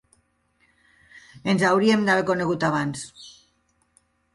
Ens hauríem d'haver conegut abans.